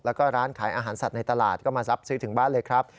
แล้วก็ร้านขายอาหารสัตว์ในตลาดก็มารับซื้อถึงบ้านเลยครับ